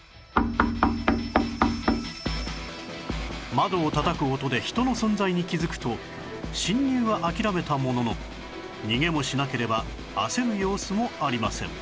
窓をたたく音で人の存在に気づくと侵入は諦めたものの逃げもしなければ焦る様子もありません